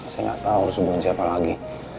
saya gak tau harus hubungin siapa lagi